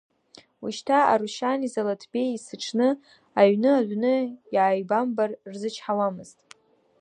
Ушьҭа Арушьани Залаҭбеии есыҽны аҩны-адәны иааибамбар рзычҳауамызт.